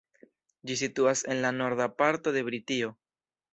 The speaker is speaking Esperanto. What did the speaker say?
Ĝi situas en la norda parto de Britio.